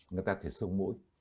người ta thể sống mỗi